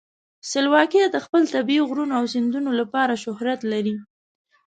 سلواکیا د خپل طبیعي غرونو او سیندونو لپاره شهرت لري.